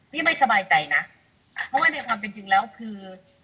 ไม่สบายใจนะเพราะว่าในความเป็นจริงแล้วคือ